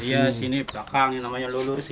iya sini belakang yang namanya lulus